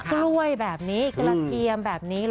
กล้วยแบบนี้กระเทียมแบบนี้